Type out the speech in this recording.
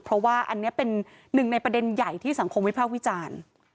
เพราะว่าอันนี้เป็นหนึ่งในประเด็นใหญ่ที่สังคมวิพากษ์วิจารณ์